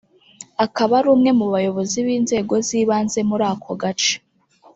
akaba ari umwe mu bayobozi b’inzego z’ibanze muri ako gace